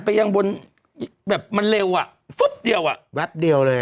ไปยังบนแบบมันเร็วอ่ะพุ๊๊ตเดี๋ยวอ่ะแวปเดียว